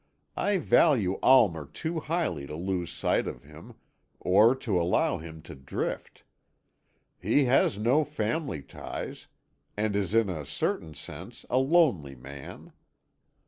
I value Almer too highly to lose sight of him, or to allow him to drift. He has no family ties, and is in a certain sense a lonely man.